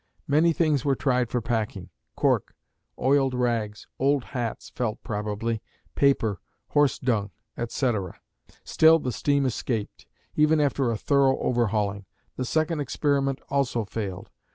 Many things were tried for packing cork, oiled rags, old hats (felt probably), paper, horse dung, etc., etc. Still the steam escaped, even after a thorough overhauling. The second experiment also failed.